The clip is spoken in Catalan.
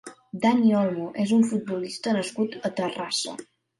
Dani Olmo és un futbolista nascut a Terrassa.